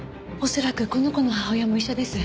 恐らくこの子の母親も一緒です。